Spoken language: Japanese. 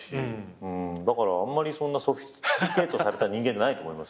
だからあんまりそんなソフィスティケートされた人間じゃないと思います。